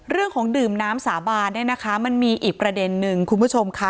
เรื่องของดื่มน้ำสาบานเนี่ยนะคะมันมีอีกประเด็นนึงคุณผู้ชมค่ะ